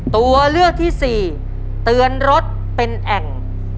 ตัวเลือกที่สี่เตือนรถเป็นแอ่ง